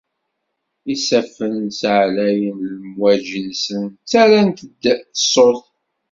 Isaffen ssaɛlayen lemwaǧi-nsen, ttarrant-d ṣṣut.